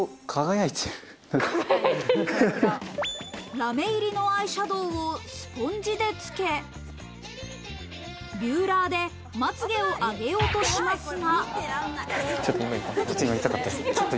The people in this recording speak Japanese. ラメ入りのアイシャドウをスポンジでつけ、ビューラーで、まつげを上げようとしますが。